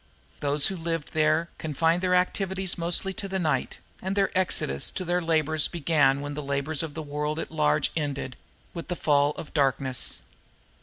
Those who lived there confined their activities mostly to the night; and their exodus to their labors began when the labors of the world at large ended with the fall of darkness.